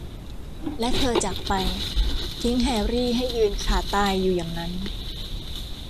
และเธอจากไป ทิ้งแฮรี่ให้ยืนขาตายอยู่อย่างนั้น